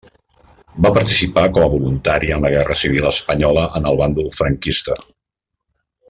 Va participar com a voluntari en la guerra civil espanyola en el bàndol franquista.